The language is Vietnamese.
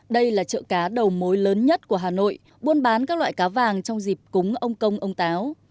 đây là chợ cá đầu mối lớn nhất của hà nội buôn bán các loại cá vàng trong dịp cúng ông công ông táo